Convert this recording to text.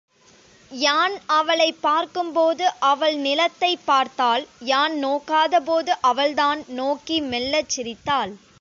யான் அவளைப் பார்க்கும்போது அவள் நிலத்தைப் பார்த்தாள் யான் நோக்காதபோது அவள் தான் நோக்கி மெல்லச் சிரித்தாள்.